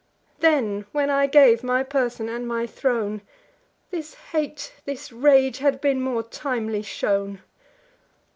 Then, when I gave my person and my throne, This hate, this rage, had been more timely shown.